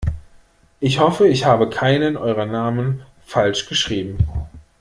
Ich hoffe, ich habe keinen eurer Namen falsch geschrieben.